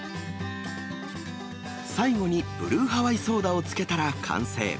最後にブルーハワイソーダをつけたら完成。